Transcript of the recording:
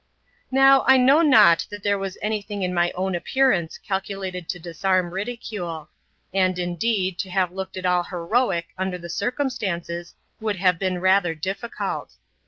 Now, I knew not that there was any thing in my own ap pearance calculated to disarm ridicule; and, indeed, to have looked at all heroic, under the circumstances, would have been rather difiicult.